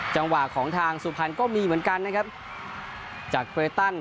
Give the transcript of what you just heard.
จังหวะของทางสุภัณฑ์ก็มีเหมือนกันนะครับจาก